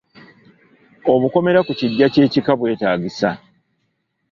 Obukomera ku kiggwa ky’ekika bwetaagisa.